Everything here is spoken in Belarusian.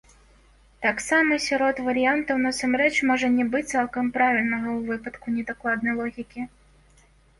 Таксама сярод варыянтаў насамрэч можа не быць цалкам правільнага ў выпадку недакладнай логікі.